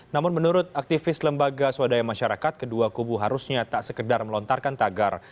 namun menurut aktivis lembaga swadaya masyarakat kedua kubu harusnya tak sekedar melontarkan tagar